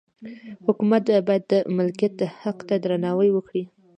حکومت باید د مالکیت حق ته درناوی وکړي.